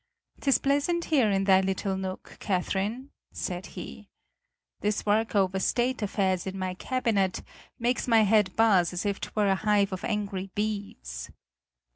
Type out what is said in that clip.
"'Tis pleasant here in thy little nook, Catherine," said he. "This work over state affairs in my cabinet makes my head buzz as if 'twere a hive of angry bees."